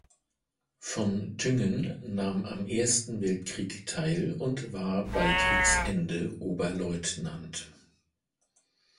Von Thüngen nahm am Ersten Weltkrieg teil und war bei Kriegsende Oberleutnant.